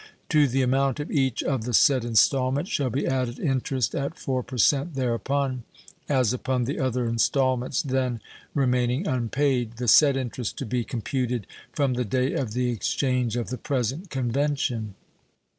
To the amount of each of the said installments shall be added interest at 4% thereupon, as upon the other installments then remaining unpaid, the said interest to be computed from the day of the exchange of the present convention".